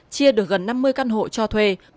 chia được gần năm mươi căn hộ cho thuê